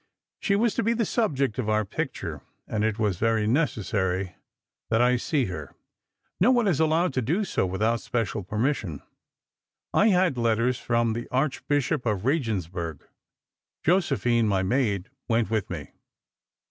She was to be the subject of our picture, and it was very necessary that I see her. No one is allowed to do so without special permission. I had letters from the Archbishop of Regensburg. Josephine, my maid, went with me.